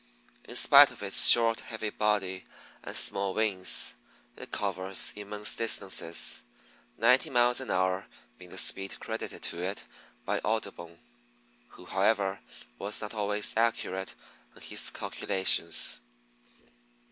In spite of its short, heavy body and small wings, it covers immense distances, ninety miles an hour being the speed credited to it by Audubon, who, however, was not always accurate in his calculations.